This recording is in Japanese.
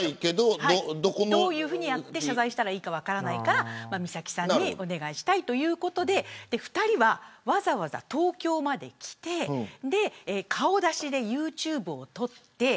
どういうふうに謝罪したらいいか分からないから三崎さんにお願いしたいということで２人は、わざわざ東京まで来て顔出しでユーチューブを撮って。